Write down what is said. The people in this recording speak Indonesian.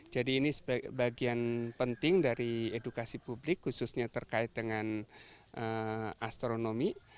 jadi ini sebagian penting dari edukasi publik khususnya terkait dengan astronomi